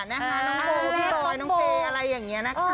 น้องโบพี่บอยน้องเฟย์อะไรอย่างนี้นะคะ